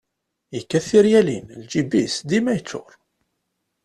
Yekkat tiryalin, lǧib-is dima yeččur.